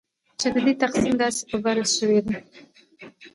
چې ددې تقسیم داسي په بره سویدي